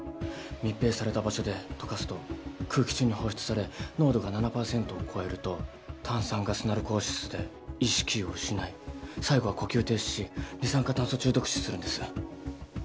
密閉された場所で溶かすと空気中に放出され濃度が７％を超えると炭酸ガスナルコーシスで意識を失い最後は呼吸停止し二酸化炭素中毒死するんです。